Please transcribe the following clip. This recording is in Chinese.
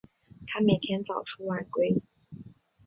他每天早出晚归